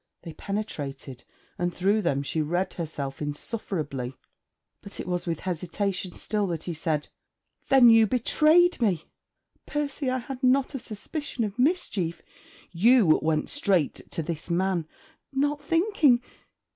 They penetrated, and through them she read herself insufferably. But it was with hesitation still that he said: 'Then you betrayed me?' 'Percy! I had not a suspicion of mischief.' 'You went straight to this man?' 'Not thinking...'